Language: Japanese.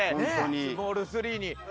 『スモール３』に。